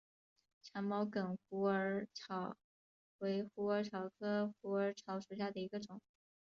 长毛梗虎耳草为虎耳草科虎耳草属下的一个种。